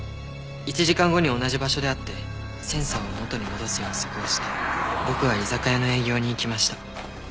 １時間後に同じ場所で会ってセンサーを元に戻す約束をして僕は居酒屋の営業に行きました。